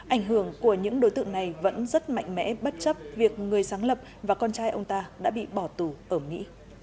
ảnh hưởng của những đối tượng này vẫn rất mạnh mẽ bất chấp việc người sáng lập và con trai ông ta đã bị bỏ tù ở mỹ